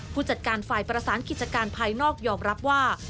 ผู้จัดการฝ่ายประสานกิจการภายนอกยอมรับว่า